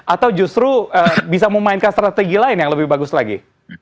atau justru bisa memainkan strategi lain yang lebih bagus lagi